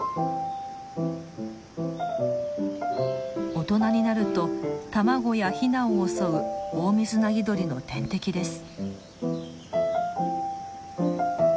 大人になると卵やヒナを襲うオオミズナギドリの天敵です。